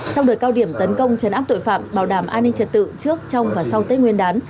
trong đợt cao điểm tấn công chấn áp tội phạm bảo đảm an ninh trật tự trước trong và sau tết nguyên đán